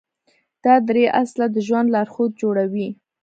دا درې اصله د ژوند لارښود جوړوي.